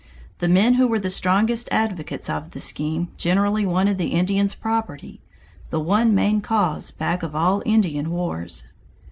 The men who were the strongest advocates of the scheme generally wanted the Indians' property the one main cause back of all Indian wars.